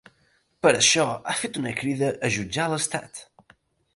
Per això, ha fet una crida a jutjar l’estat.